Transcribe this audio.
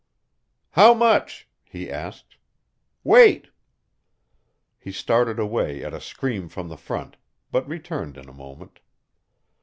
"How much?" he asked. "Wait!" He started away at a scream from the front, but returned in a moment.